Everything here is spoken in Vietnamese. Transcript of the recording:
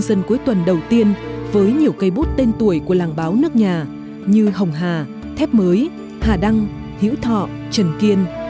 báo nhân dân cuối tuần đầu tiên với nhiều cây bút tên tuổi của làng báo nước nhà như hồng hà thép mới hà đăng hiễu thọ trần kiên